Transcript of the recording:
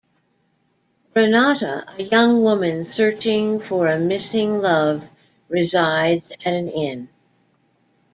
Renata, a young woman searching for a missing love, resides at an inn.